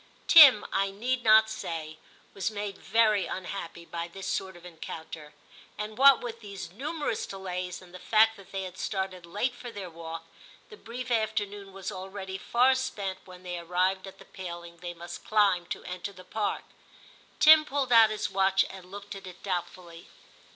Tim, I need not say, was made very unhappy by this sort of encounter; and what with these numerous delays and the fact that they had started late for their walk, the brief afternoon was already far spent when they arrived at the paling they must climb to enter the Park. Tim pulled out his watch and looked at it doubtfully.